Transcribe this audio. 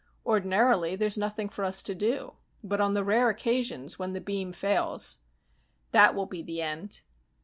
Ordinarily, there's nothing for us to do. But on the rare occasions when the beam fails " "That will be the end."